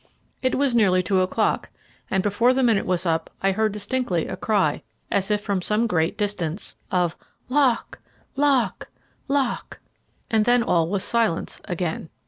It was nearly two o'clock, and before the minute was up I heard distinctly a cry, as if from some great distance, of "Lock, lock, lock!" and then all was silence again.